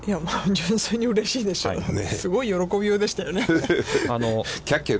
純粋にうれしいでしょう。